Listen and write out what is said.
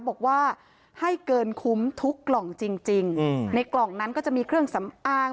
บอกว่าให้เกินคุ้มทุกกล่องจริงจริงในกล่องนั้นก็จะมีเครื่องสำอาง